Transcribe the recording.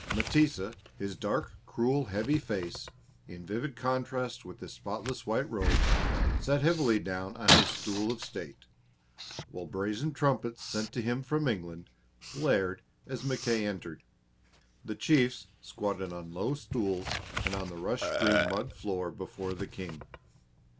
M'tesa, his dark, cruel heavy face in vivid contrast with his spotless white robe, sat heavily down on his stool of State, while brazen trumpets sent to him from England blared as Mackay entered. The chiefs squatted on low stools and on the rush strewn mud floor before the King.